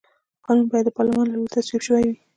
قانون باید د پارلمان له لوري تصویب شوی وي.